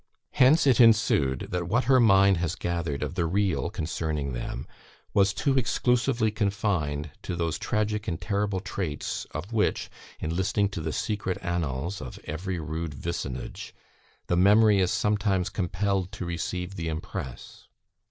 Hence it ensued, that what her mind has gathered of the real concerning them, was too exclusively confined to those tragic and terrible traits, of which, in listening to the secret annals of every rude vicinage, the memory is sometimes compelled to receive the impress.